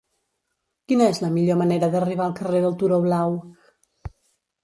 Quina és la millor manera d'arribar al carrer del Turó Blau?